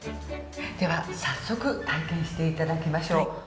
では早速体験していただきましょう。